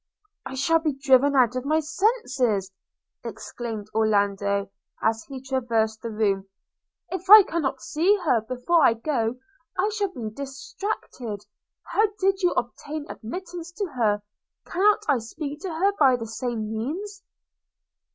'I shall be driven out of my senses,' exclaimed Orlando, as he traversed the room: 'if I cannot see her before I go, I shall be distracted – How did you obtain admittance to her? Cannot I speak to her by the same means?'